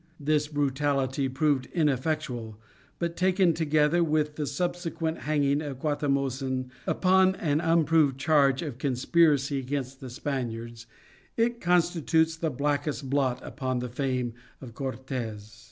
This brutality proved ineffectual, but taken together with the subsequent hanging of Guatimozin upon an unproved charge of conspiracy against the Spaniards, it constitutes the blackest blot upon the fame of Cortes.